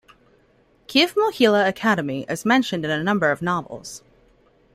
Kyiv-Mohyla Academy is mentioned in a number of novels.